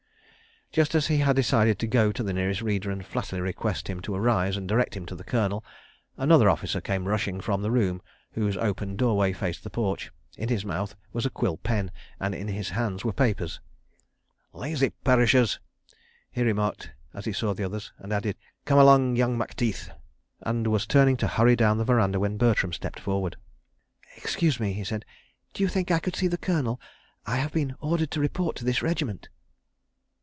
Just as he had decided to go to the nearest reader and flatly request him to arise and direct him to the Colonel, another officer came rushing from the room whose open doorway faced the porch. In his mouth was a quill pen, and in his hands were papers. "Lazy perishers!" he remarked as he saw the others, and added: "Come along, young Macteith," and was turning to hurry down the verandah when Bertram stepped forward. "Excuse me," he said, "d'you think I could see the Colonel? I have been ordered to report to this regiment."